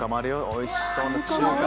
おいしそうな中華。